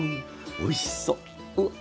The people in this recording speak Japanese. おいしそう！